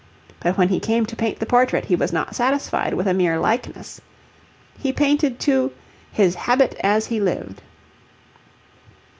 But when he came to paint the portrait he was not satisfied with a mere likeness. He painted too 'his habit as he lived.'